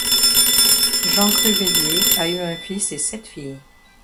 Jean Cruveilhier a eu un fils et sept filles.